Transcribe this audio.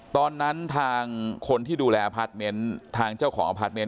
ตอนนั้นทางคนที่ดูแลอพาร์ทเมนต์ทางเจ้าของอพาร์ทเมนต